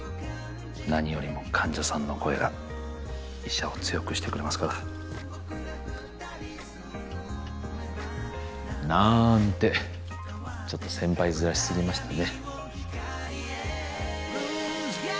何よりも患者さんの声が医者を強くしてくれますからなんてちょっと先輩ヅラしすぎましたね